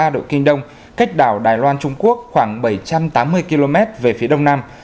một trăm hai mươi tám ba độ kinh đông cách đảo đài loan trung quốc khoảng bảy trăm tám mươi km về phía đông nam